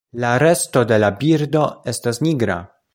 La resto de la birdo estas nigra.